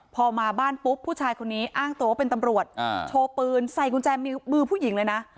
พอมาบ้านปุ๊บผู้ชายคนนี้อ้างตัวว่าเป็นตำรวจโชว์ปืนใส่กุญแจมือผู้หญิงเลยนะ